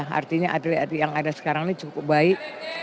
artinya atlet atlet yang ada sekarang ini cukup baik